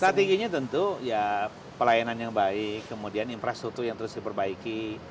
strateginya tentu ya pelayanan yang baik kemudian infrastruktur yang terus diperbaiki